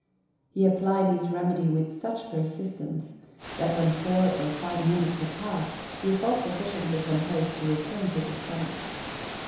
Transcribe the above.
He applied his remedy with such persistence that when four or five minutes had passed, he felt sufficiently composed to return to the study.